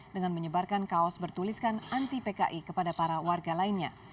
dengan menyebarkan kaos bertuliskan anti pki kepada para warga lainnya